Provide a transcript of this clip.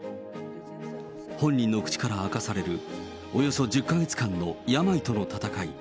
本人の口から明かされる、およそ１０か月間の病との闘い。